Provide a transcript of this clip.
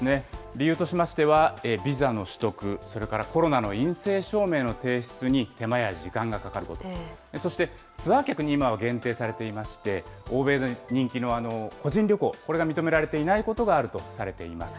理由としましては、ビザの取得、それからコロナの陰性証明の提出に手間や時間がかかること、そしてツアー客に今は限定されていまして、欧米に人気の個人旅行、これが認められていないことがあるとされています。